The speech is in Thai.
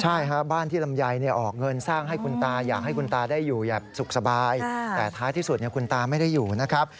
ใช่ครับบ้านที่ลำไยออกเงินสร้างให้คุณตาอยากให้คุณตาได้อยู่แบบสุขสบายแต่ท้ายที่สุดคุณตาไม่ได้อยู่นะครับ